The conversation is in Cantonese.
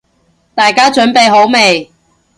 大家準備好未？